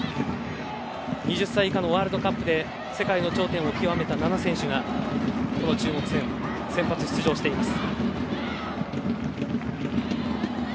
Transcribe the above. ２０歳以下のワールドカップで世界の頂点を極めた７選手がこの中国戦、先発出場しています。